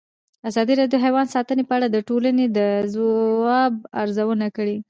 ازادي راډیو د حیوان ساتنه په اړه د ټولنې د ځواب ارزونه کړې.